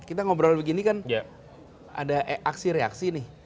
kita ngobrol begini kan ada aksi reaksi nih